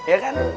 eh apaan sih lu